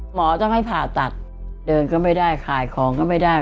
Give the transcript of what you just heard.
หมอต้องให้ผ่าตัดเดินก็ไม่ได้ขายของก็ไม่ได้